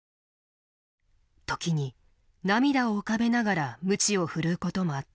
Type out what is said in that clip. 時に涙を浮かべながらむちを振るうこともあった。